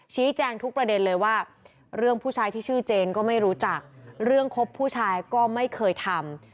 แจ้งทุกประเด็นเลยว่าเรื่องผู้ชายที่ชื่อเจนก็ไม่รู้จักเรื่องคบผู้ชายก็ไม่เคยทำ